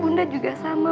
bunda juga sama